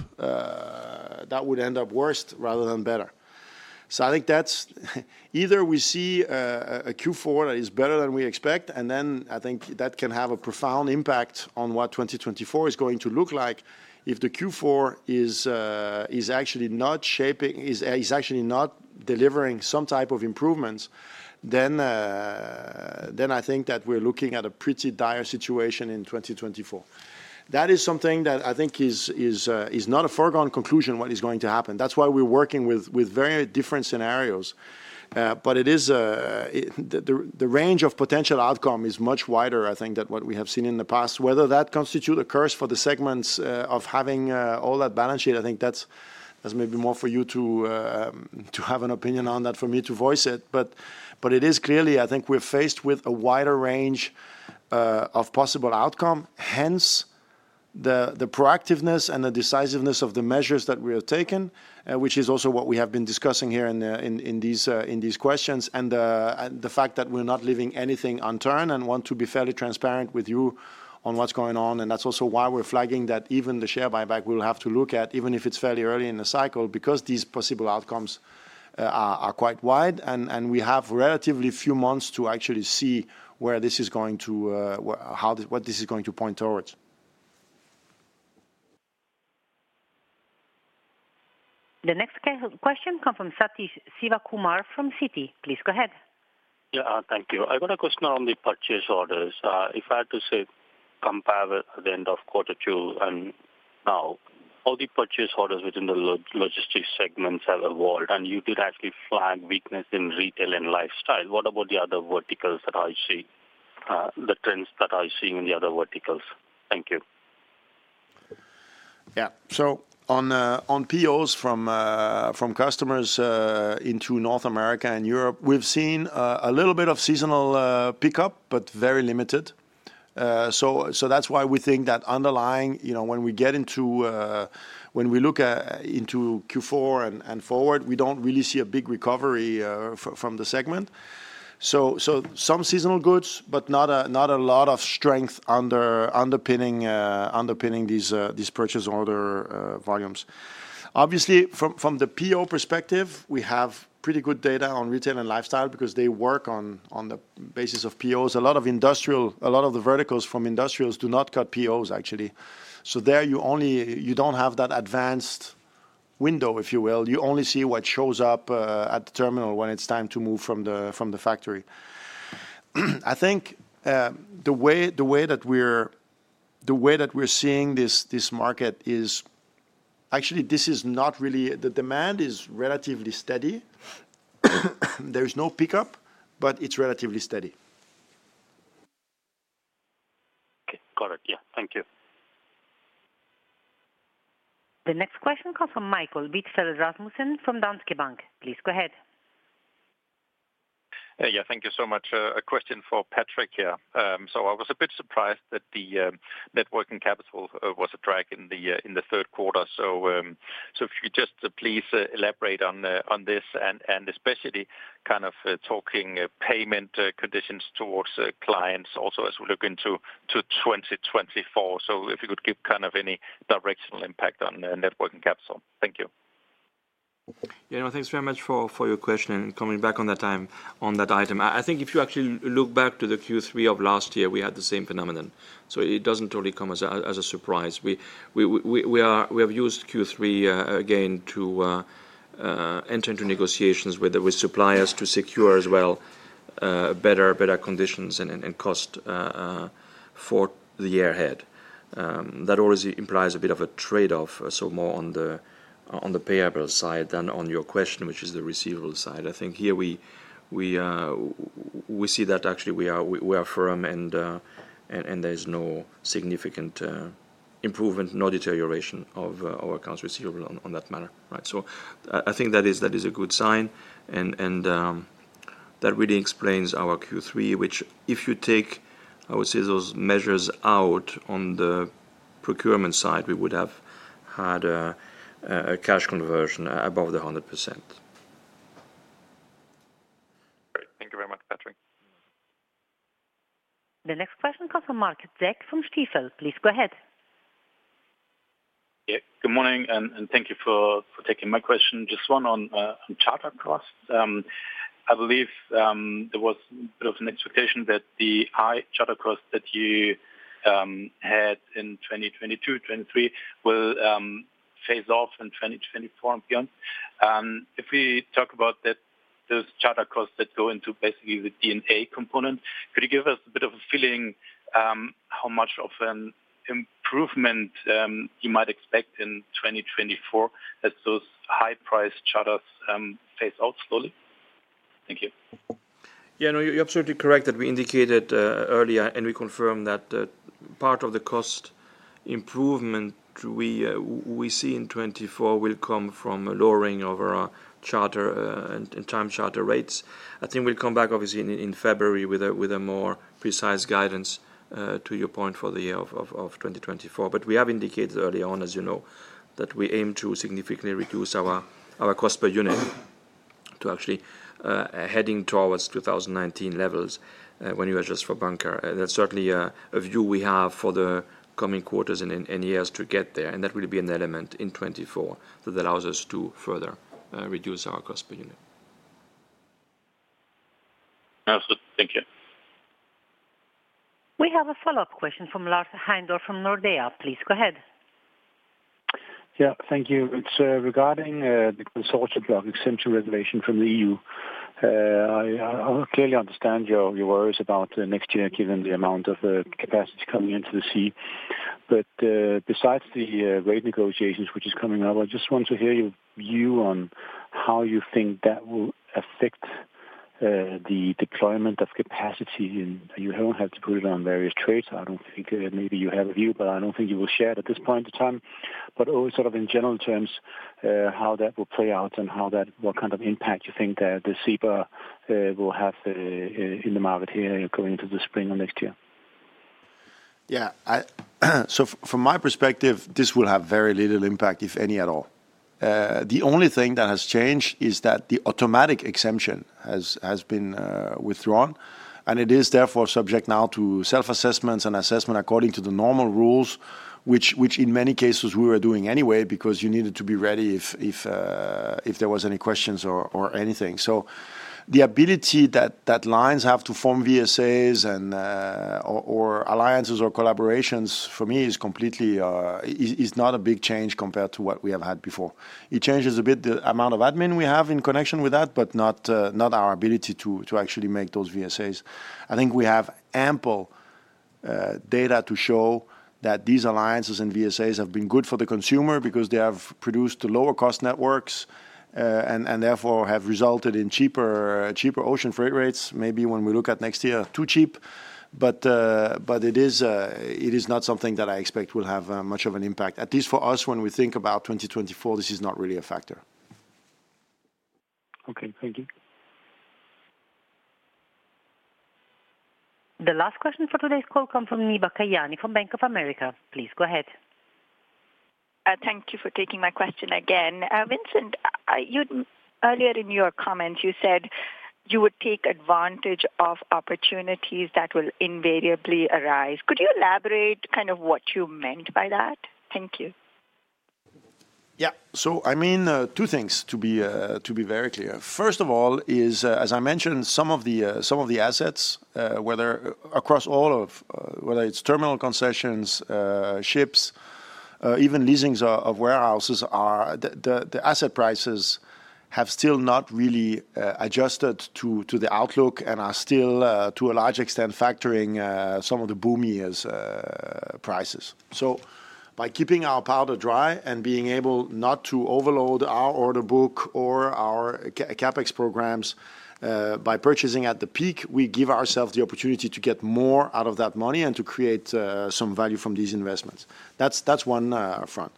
worse rather than better. So I think that's... Either we see a Q4 that is better than we expect, and then I think that can have a profound impact on what 2024 is going to look like. If the Q4 is actually not delivering some type of improvements, then I think that we're looking at a pretty dire situation in 2024. That is something that I think is not a foregone conclusion what is going to happen. That's why we're working with very different scenarios. But it is the range of potential outcome is much wider, I think, than what we have seen in the past. Whether that constitute a curse for the segments of having all that balance sheet, I think that's maybe more for you to have an opinion on that, for me to voice it. But it is clearly, I think we're faced with a wider range of possible outcome, the proactiveness and the decisiveness of the measures that we have taken, which is also what we have been discussing here in these questions, and the fact that we're not leaving anything unturned and want to be fairly transparent with you on what's going on. And that's also why we're flagging that even the share buyback, we'll have to look at, even if it's fairly early in the cycle, because these possible outcomes are quite wide, and we have relatively few months to actually see where this is going to, how, what this is going to point towards. The next question comes from Sathish Sivakumar from Citi. Please go ahead. Yeah, thank you. I've got a question on the purchase orders. If I had to say, compare with the end of quarter two and now, all the purchase orders within the logistics segments have evolved, and you did actually flag weakness in retail and lifestyle. What about the other verticals that are you see, the trends that are you seeing in the other verticals? Thank you. Yeah. So on POs from customers into North America and Europe, we've seen a little bit of seasonal pickup, but very limited. So that's why we think that underlying, you know, when we get into... when we look at into Q4 and forward, we don't really see a big recovery from the segment. So some seasonal goods, but not a lot of strength underpinning these purchase order volumes. Obviously, from the PO perspective, we have pretty good data on retail and lifestyle because they work on the basis of POs. A lot of industrial, a lot of the verticals from industrials do not cut POs, actually. So there you only-- you don't have that advanced window, if you will. You only see what shows up at the terminal when it's time to move from the factory. I think the way that we're seeing this market is actually, this is not really, the demand is relatively steady. There's no pickup, but it's relatively steady. Okay. Got it. Yeah. Thank you. The next question comes from Mikael Vittels Rasmussen from Danske Bank. Please go ahead. Yeah, thank you so much. A question for Patrick here. So I was a bit surprised that the net working capital was a drag in the third quarter. So if you could just please elaborate on this and especially kind of talking payment conditions towards clients also as we look into 2024. So if you could give kind of any directional impact on the net working capital. Thank you. Yeah, no, thanks very much for your question. Coming back on that time, on that item, I think if you actually look back to the Q3 of last year, we had the same phenomenon, so it doesn't really come as a surprise. We have used Q3 again to enter into negotiations with suppliers to secure as well better conditions and cost for the year ahead. That always implies a bit of a trade-off, so more on the payable side than on your question, which is the receivable side. I think here we see that actually we are firm and there is no significant improvement, no deterioration of our accounts receivable on that matter, right? So I think that is a good sign, and that really explains our Q3, which if you take, I would say, those measures out on the procurement side, we would have had a cash conversion above 100%. Great. Thank you very much, Patrick. The next question comes from Marc Zeck from Stifel. Please go ahead. Yeah, good morning, and, and thank you for, for taking my question. Just one on, uh, on charter costs. I believe, there was bit of an expectation that the high charter costs that you, had in 2022, 2023 will, phase off in 2024 and beyond. If we talk about that, those charter costs that go into basically the D&A component, could you give us a bit of a feeling, how much of an improvement, you might expect in 2024 as those high-priced charters, phase out slowly? Thank you. Yeah, no, you're absolutely correct that we indicated earlier, and we confirm that the part of the cost improvement we see in 2024 will come from a lowering of our charter and time charter rates. I think we'll come back obviously in February with a more precise guidance to your point for the year of 2024. But we have indicated early on, as you know, that we aim to significantly reduce our cost per unit, to actually heading towards 2019 levels when you adjust for bunker. And that's certainly a view we have for the coming quarters and years to get there, and that will be an element in 2024 that allows us to further reduce our cost per unit. Absolutely. Thank you. We have a follow-up question from Lars Heindorff from Nordea. Please go ahead. Yeah, thank you. It's regarding the Consortium Block Exemption Regulation from the EU. I clearly understand your worries about next year, given the amount of capacity coming into the sea. But, besides the rate negotiations, which is coming up, I just want to hear your view on how you think that will affect the deployment of capacity, and you don't have to put it on various trades. I don't think maybe you have a view, but I don't think you will share it at this point in time... but also sort of in general terms, how that will play out and how that, what kind of impact you think that the CBER will have in the market here going into the spring of next year? Yeah, so from my perspective, this will have very little impact, if any, at all. The only thing that has changed is that the automatic exemption has been withdrawn, and it is therefore subject now to self-assessments and assessment according to the normal rules, which in many cases, we were doing anyway, because you needed to be ready if there was any questions or anything. So the ability that lines have to form VSAs and or alliances or collaborations for me is completely is not a big change compared to what we have had before. It changes a bit the amount of admin we have in connection with that, but not our ability to actually make those VSAs. I think we have ample data to show that these alliances and VSAs have been good for the consumer because they have produced lower cost networks, and, and therefore have resulted in cheaper, cheaper ocean freight rates. Maybe when we look at next year, too cheap, but, but it is, it is not something that I expect will have much of an impact. At least for us, when we think about 2024, this is not really a factor. Okay, thank you. The last question for today's call comes from Neeba Kayani from Bank of America. Please go ahead. Thank you for taking my question again. Vincent, earlier in your comments, you said you would take advantage of opportunities that will invariably arise. Could you elaborate kind of what you meant by that? Thank you. Yeah. So I mean, two things to be very clear. First of all, as I mentioned, some of the assets, whether across all of, whether it's terminal concessions, ships, even leasings of warehouses are. The asset prices have still not really adjusted to the outlook and are still, to a large extent, factoring some of the boomiest prices. So by keeping our powder dry and being able not to overload our order book or our CapEx programs, by purchasing at the peak, we give ourselves the opportunity to get more out of that money and to create some value from these investments. That's one front.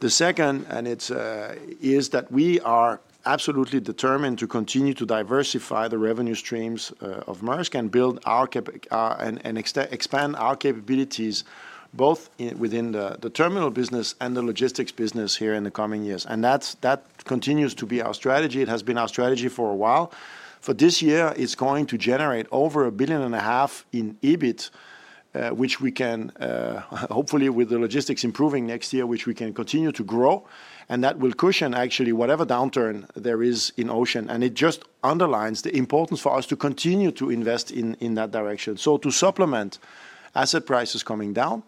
The second, and it's, is that we are absolutely determined to continue to diversify the revenue streams, of Maersk and build and expand our capabilities, both within the terminal business and the logistics business here in the coming years. And that's, that continues to be our strategy. It has been our strategy for a while. For this year, it's going to generate over $1.5 billion in EBIT, which we can hopefully with the logistics improving next year, which we can continue to grow, and that will cushion actually whatever downturn there is in ocean. And it just underlines the importance for us to continue to invest in that direction. So to supplement asset prices coming down,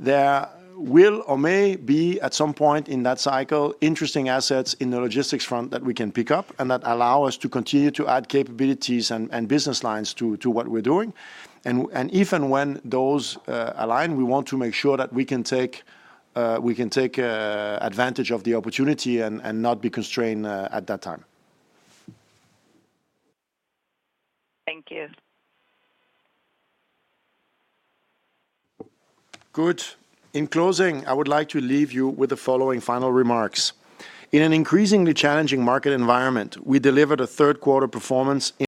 there will or may be, at some point in that cycle, interesting assets in the logistics front that we can pick up and that allow us to continue to add capabilities and business lines to what we're doing. And even when those align, we want to make sure that we can take advantage of the opportunity and not be constrained at that time. Thank you. Good. In closing, I would like to leave you with the following final remarks. In an increasingly challenging market environment, we delivered a third quarter performance in-